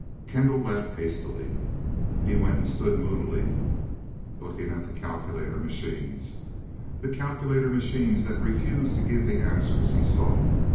Kendall left hastily. He went and stood moodily looking at the calculator machines the calculator machines that refused to give the answers he sought.